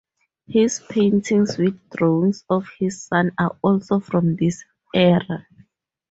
His paintings with drawings of his son are also from this era.